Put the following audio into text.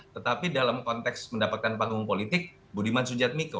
tetapi dalam konteks mendapatkan panggung politik budiman sujad miko